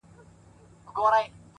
• د نړۍ رنګونه هره ورځ بدلیږي ,